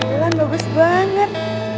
ulan bagus banget